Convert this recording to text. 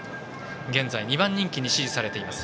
現在、２番人気に支持されています。